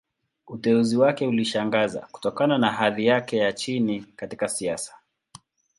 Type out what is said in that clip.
Uteuzi wake ulishangaza, kutokana na hadhi yake ya chini katika siasa.